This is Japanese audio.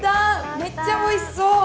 めっちゃおいしそう。